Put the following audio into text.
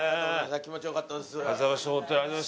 気持ちよかったです。